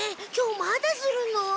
今日まだするの？